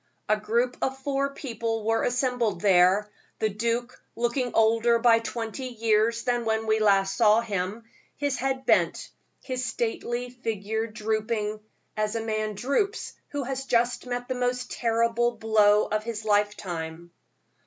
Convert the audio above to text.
A group of four people were assembled there, the duke looking older by twenty years than when we saw him last, his head bent, his stately figure drooping, as a man droops who has just met the most terrible blow of his lifetime.